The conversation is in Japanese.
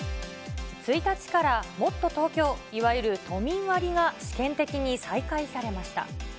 １日から、もっとＴｏｋｙｏ、いわゆる都民割が試験的に再開されました。